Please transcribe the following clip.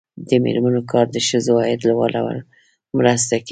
د میرمنو کار د ښځو عاید لوړولو مرسته کوي.